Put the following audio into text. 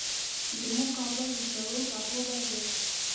زمونږ کابل د زمرو ټاټوبی دی